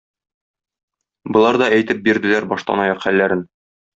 Болар да әйтеп бирделәр баштанаяк хәлләрен.